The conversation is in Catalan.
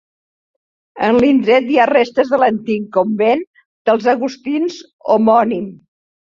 En l'indret hi ha restes de l'antic convent dels agustins homònim.